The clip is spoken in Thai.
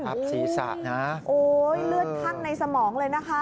ศีรษะนะโอ้ยเลือดข้างในสมองเลยนะคะ